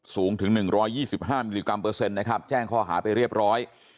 สูงถึง๑๒๕มิลลิกรัมเปอร์เซ็นต์นะครับแจ้งข้อหาไปเรียบร้อย